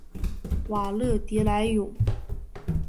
瓦勒迪莱永。